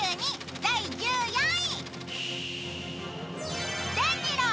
第１４位。